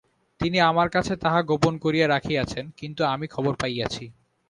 তিনি আমার কাছে তাহা গোপন করিয়া রাখিয়াছেন, কিন্তু আমি খবর পাইয়াছি।